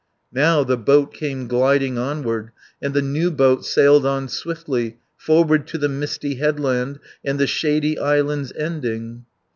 Now the boat came gliding onward, And the new boat sailed on swiftly 80 Forward to the misty headland, And the shady island's ending.